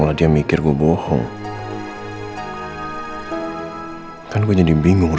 saya tunggu di luar